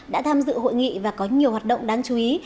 đã tham dự hội nghị và có nhiều hoạt động đáng chú ý